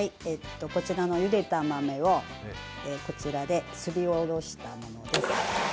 こちらのゆでた豆をこちらですりおろしたものです。